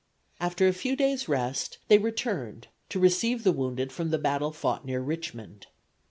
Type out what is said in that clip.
After a few days' rest they returned to receive the wounded from the battle fought near Richmond.